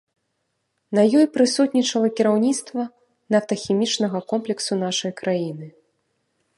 На ёй прысутнічала кіраўніцтва нафтахімічнага комплексу нашай краіны.